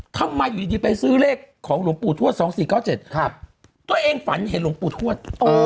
ทำไมอยู่ดีไปซื้อเลขของหลวงปู่ถวด๒๔๙๗